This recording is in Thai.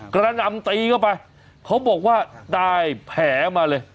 กระหน่ำตีเข้าไปเขาบอกว่าได้แผลมาเลย